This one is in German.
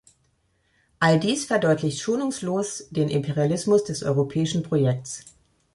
All dies verdeutlicht schonungslos den Imperialismus des europäischen Projekts.